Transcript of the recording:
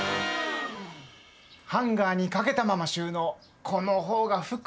ハンガーにかけたまま収納。